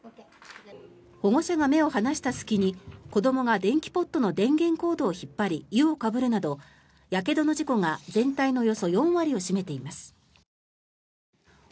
保護者が目を離した隙に子どもが電気ポットの電源コードを引っ張り湯をかぶるなどやけどの事故が全体のおよそ４割を占めています。